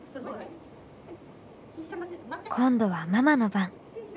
今度はママの番。